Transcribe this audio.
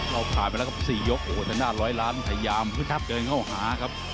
เราขายไปแล้วกับสี่ยกโอธนาจร้อยล้านพยายามเกิดเงาหาครับ